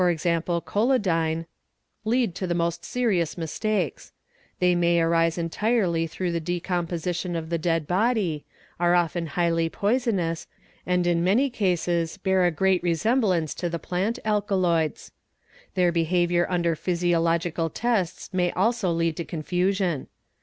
collidine) lead to the most serious — mistakes; they may arise entirely through the decomposition of the dead body, are often highly poisonous, and in many cases bear a great re semblance to the plant alkaloids. Their behaviour under physiological ] tests may also lead to confusion.